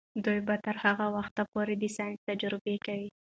دوی به تر هغه وخته پورې د ساینس تجربې کوي.